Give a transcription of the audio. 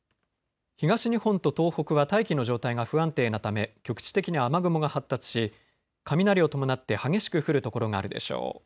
東日本と東北は大気の状態が不安定なため局地的に雨雲が発達し雷を伴って激しく降る所があるでしょう。